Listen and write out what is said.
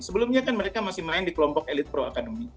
sebelumnya kan mereka masih main di kelompok elit pro academy